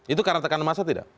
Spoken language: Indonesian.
itu karena tekan masa tidak